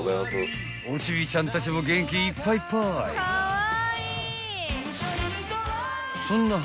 ［おちびちゃんたちも元気いっぱいぱい］